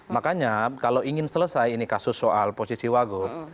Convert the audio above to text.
makanya kalau ingin selesai ini kasus soal posisi wagub